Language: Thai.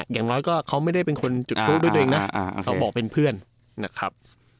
อย่างน้อยก็เขาไม่ได้เป็นคนจุดทูปด้วยตัวเองนะเขาบอกเป็นเพื่อนนะครับ